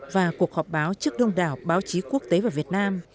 và cuộc họp báo trước đông đảo báo chí quốc tế và việt nam